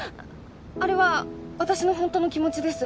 あれは私の本当の気持ちです。